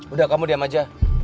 udah kamu diam aja